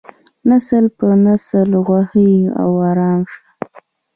نسل په نسل غوښین او ارام شول.